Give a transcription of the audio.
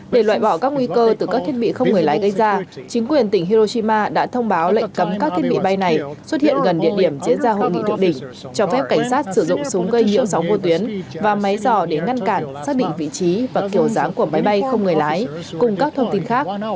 để loại bỏ các nguy cơ từ các thiết bị không người lái gây ra chính quyền tỉnh heroshima đã thông báo lệnh cấm các thiết bị bay này xuất hiện gần địa điểm diễn ra hội nghị thượng đỉnh cho phép cảnh sát sử dụng súng gây nhiễu sóng vô tuyến và máy dò để ngăn cản xác định vị trí và kiểu dáng của máy bay không người lái cùng các thông tin khác